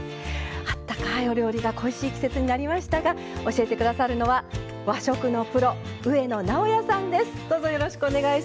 温かいお料理が恋しい季節になりましたが教えてくださるのは和食のプロ、上野直哉さんです。